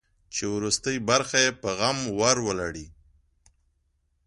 چې وروستۍ برخه یې په غم ور ولړي.